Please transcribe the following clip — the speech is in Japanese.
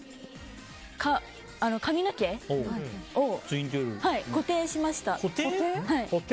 髪の毛を固定しました。